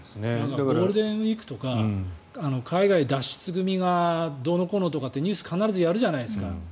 ゴールデンウィークとか海外脱出組がどうのこうのとかってニュース必ずやるじゃないですか。